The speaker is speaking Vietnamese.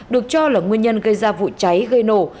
được cho là nguyên nhân gây ra vụ cháy gây nổ